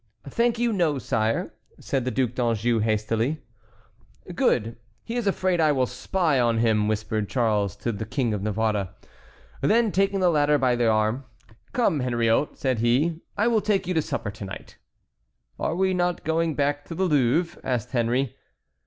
"Thank you, no, sire," said the Duc d'Anjou, hastily. "Good; he is afraid I will spy on him," whispered Charles to the King of Navarre. Then taking the latter by the arm: "Come, Henriot," said he, "I will take you to supper to night." "Are we not going back to the Louvre?" asked Henry.